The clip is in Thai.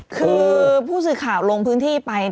คือผู้สื่อข่าวลงพื้นที่ไป